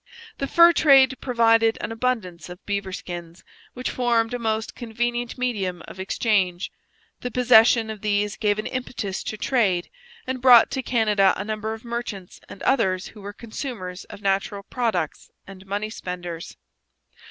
The fur trade provided an abundance of beaver skins, which formed a most convenient medium of exchange. The possession of these gave an impetus to trade, and brought to Canada a number of merchants and others who were consumers of natural products and money spenders.